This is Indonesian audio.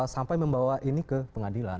sampai membawa ini ke pengadilan